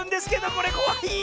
これこわい！